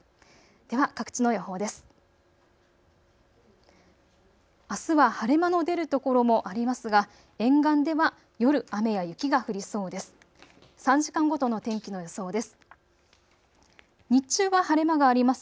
では各地の予報です。